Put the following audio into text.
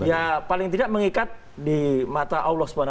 ya paling tidak mengikat di mata allah swt